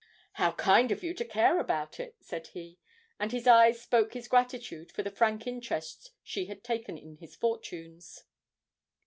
'How kind of you to care about it!' said he, and his eyes spoke his gratitude for the frank interest she had taken in his fortunes.